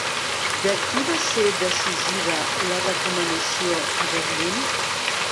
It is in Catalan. De qui va ser decisiva la recomanació a Berlín?